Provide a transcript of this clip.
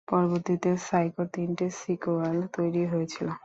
পরবর্তীতে সাইকো’র তিনটি সিক্যুয়াল তৈরি হয়েছিলো।